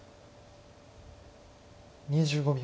２５秒。